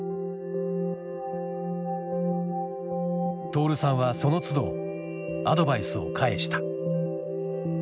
徹さんはそのつどアドバイスを返した。